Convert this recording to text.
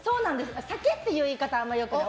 酒っていう言い方はあんまりよくない。